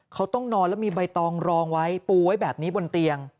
เขาต้องนอนแล้วมีใบตองรองไว้ปูไว้แบบนี้บนเตียง